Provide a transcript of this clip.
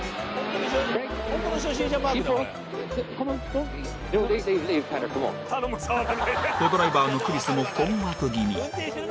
コ・ドライバーのクリスも困惑気味。